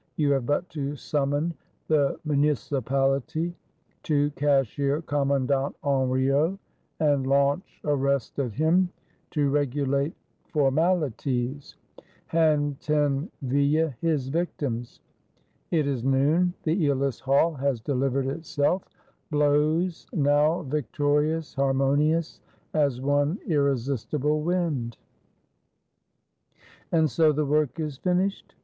You have but to summon the Municipality; to cashier Commandant Henriot, and launch Arrest at him; to regulate formali ties; hand Tinville his victims; It is noon: the ^olus Hall has delivered itself; blows now victorious, harmo nious, as one irresistible wind. And so the work is finished?